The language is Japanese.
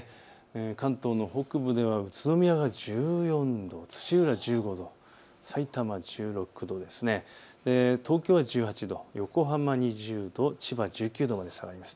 関東の北部では宇都宮１４度、土浦１５度、さいたま１６度、東京は１８度、横浜２０度、千葉１９度まで下がります。